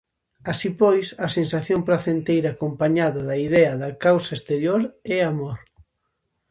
Así pois, a sensación pracenteira acompañada da idea da causa exterior é amor.